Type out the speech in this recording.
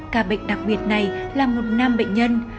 ca bệnh đặc biệt này là một nam bệnh nhân